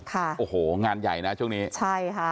ค่ะโอ้โหงานใหญ่นะช่วงนี้ใช่ค่ะ